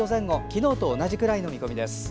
昨日と同じくらいの見込みです。